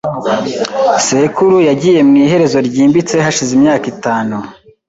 Sekuru yagiye mu iherezo ryimbitse hashize imyaka itanu .